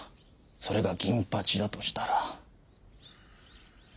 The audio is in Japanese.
それが銀八だとしたら。